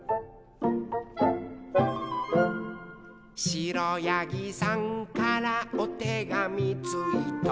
「しろやぎさんからおてがみついた」